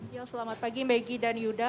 ya selamat pagi maggie dan yuda